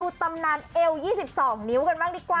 ตำนานเอว๒๒นิ้วกันบ้างดีกว่า